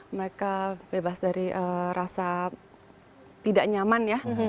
mereka bebas dari rasa tidak nyaman ya